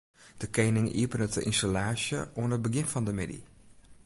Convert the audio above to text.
De kening iepenet de ynstallaasje oan it begjin fan de middei.